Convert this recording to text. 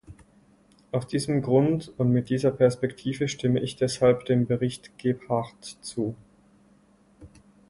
Aus diesem Grund und mit dieser Perspektive stimme ich deshalb dem Bericht Gebhardt zu.